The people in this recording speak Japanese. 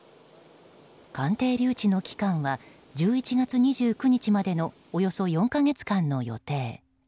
鑑定留置の期間は１１月２９日までのおよそ４か月間の予定。